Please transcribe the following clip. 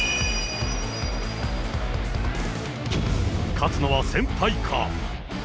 勝つのは先輩か。